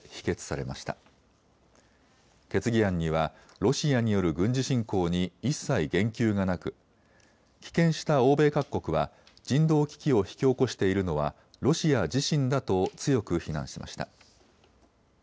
決議案にはロシアによる軍事侵攻に一切言及がなく、棄権した欧米各国は人道危機を引き起こしているのはロシア自身だと強く非難しました。